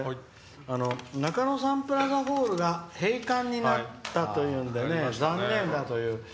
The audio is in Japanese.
中野サンプラザホールが閉館になったというんで残念だという。